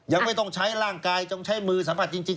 ยังไม่ต้องใช้ร่างกายต้องใช้มือสัมผัสจริง